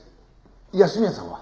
安洛さんは？